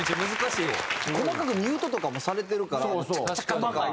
細かくミュートとかもされてるからチャカチャカとか。